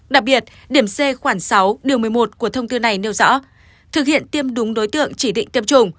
đặc biệt điểm c khoản sáu một mươi một của thông tin này nêu rõ thực hiện tiêm đúng đối tượng chỉ định tiêm chủng